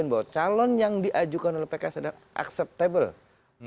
bahwa calon yang diajukan oleh pks adalah acceptable